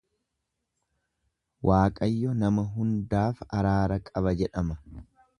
Waaqayyo nama hundaaf araara qaba jedhama.